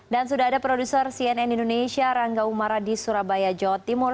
dan sudah ada produser cnn indonesia rangga umaradi surabaya jawa timur